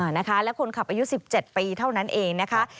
นะคะและคนขับอายุ๑๗ปีเท่านั้นเองนะคะ